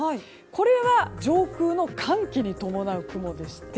これは上空の寒気に伴う雲でして。